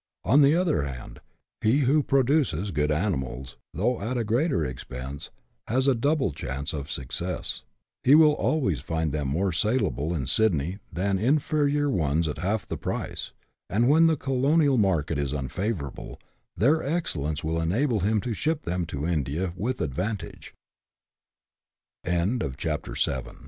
On the other hand, he who produces good animals, though at a greater expense, has a double chance of success ; he will always find them more saleable in Sydney than inferior ones at half the price ; and when the colonial market is unfavourable, their excel lence will enable him to ship them to India with advanta